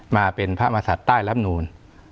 มาเป็นพระมหาศาจใต้รับนูร